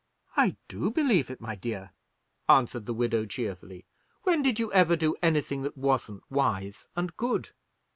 "I do believe it, my dear," answered the widow, cheerfully; "when did you ever do anything that wasn't wise and good?"